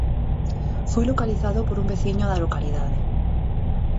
Foi localizado por un veciño da localidade.